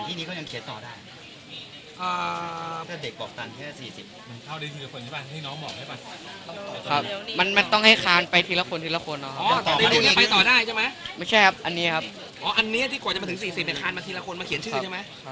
อันนี้ที่ปฎิจะมาถึง๔๐เหลือนี่ก็ยังเลยทำให้เขียนชื่อใช่ไหม